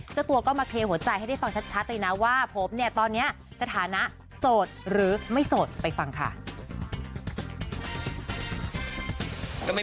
เจอตัวก็มะเคหัวใจให้ได้ฟังชัดเลยนะว่า